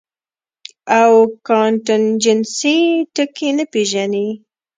او کانټنجنسي ټکے نۀ پېژني -